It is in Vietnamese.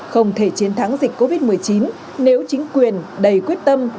không thể chiến thắng dịch covid một mươi chín nếu chính quyền đầy quyết tâm